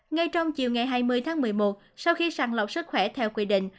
ngay trong chiều ngày hai mươi tháng một mươi một sau khi sàng lọc sức khỏe theo quy định